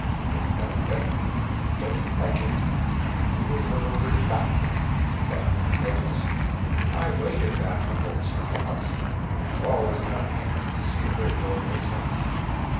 If Ellen Redman don't like it, I can move her little bridge back again—but under protest. I waded that Humboldt Slough once, and I have always had a hankering to see a bridge over it since.